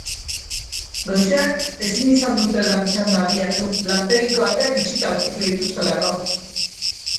Goizean ezin izan dute lan txanda abiatu, lantegiko ateak itxita aurkitu dituztelako.